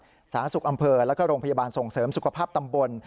สาธารณสุขอำเภอแล้วก็โรงพยาบาลส่งเสริมสุขภาพตำบล